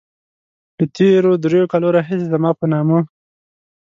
له تېرو دريو کالو راهيسې زما په نامه.